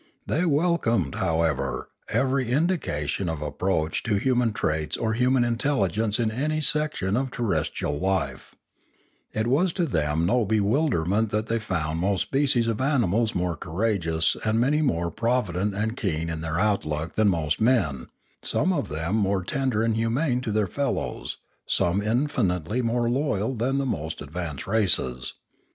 They welcomed, however, every indication of approach to human traits or human intelligence in any section of terrestrial life; it was to them no "bewilder ment that they found most species of animals more courageous and many more provident and keen in their outlook than most men, some of them more tender and humane to their fellows, and some infinitely more loyal than the most advanced races.